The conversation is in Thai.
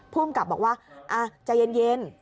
ภูมิกับบอกว่าใจเย็น